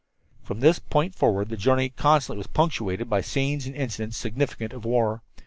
From this point forward the journey constantly was punctuated by scenes and incidents significant of war.